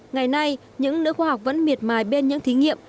ngày nay những nữ khoa học vẫn miệt mài bên những thí nghiệm